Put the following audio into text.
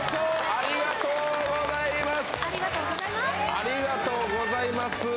ありがとうございます！